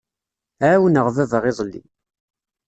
Ɛawneɣ baba iḍelli.